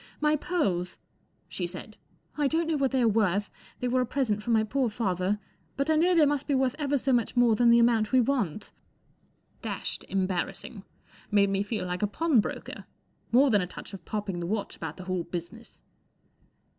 " My pearls," she said. " I don't know what they are worth—they were a present from my poor father—but I know they must be worth ever so much more than the amount we want," Dashed embarrassing. Made me feel like a pawnbroker. More than a touch of popping the watch about the whole business.